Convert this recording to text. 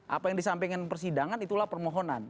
apa yang disampaikan persidangan itulah permohonan